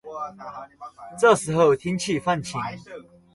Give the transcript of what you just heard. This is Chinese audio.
这时候天气放晴